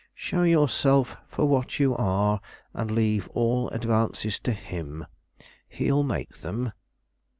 Show yourself for what you are, and leave all advances to him; he'll make them."